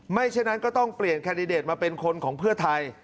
ฉะนั้นก็ต้องเปลี่ยนแคนดิเดตมาเป็นคนของเพื่อไทย